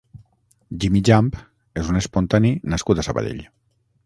Jimmy Jump és un espontani nascut a Sabadell.